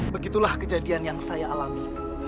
begitulah kejadian yang saya alami